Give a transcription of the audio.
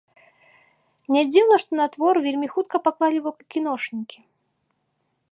Нядзіўна, што на твор вельмі хутка паклалі вока кіношнікі.